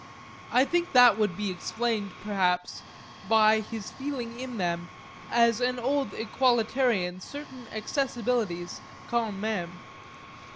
I think that would be explained perhaps by his feeling in them as an old equalitarian certain accessibilities quand même.